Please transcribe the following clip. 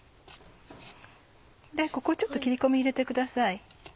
ここちょっと切り込み入れてください。